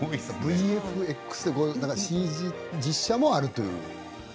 ＶＦＸ、ＣＧ、実写もあるという。